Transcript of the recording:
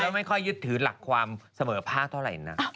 ไม่ค่อยยึดถือหลักความเสมอภาคเท่าไหร่นัก